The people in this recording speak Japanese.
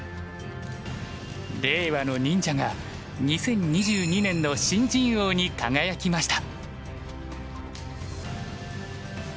令和の忍者が２０２２年の新人王に輝きました。